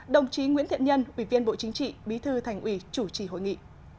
đồng chí nguyễn thiện nhân ủy viên bộ chính trị bí thư thành ủy chủ trì hội nghị